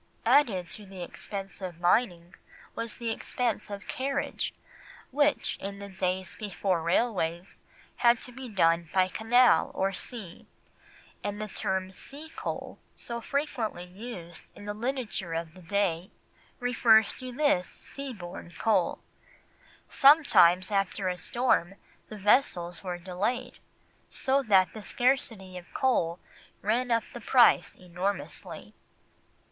Added to the expense of mining was the expense of carriage, which, in the days before railways, had to be done by canal or sea, and the term sea coal so frequently used in the literature of the day refers to this sea borne coal. Sometimes after a storm the vessels were delayed, so that the scarcity of coal ran up the price enormously.